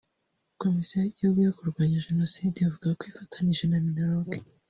Komisiyo y’Igihugu yo kurwanya Jenoside ivuga ko ifatanyije na Minaloc